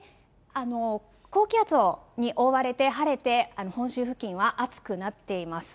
高気圧に覆われて晴れて、本州付近は暑くなっています。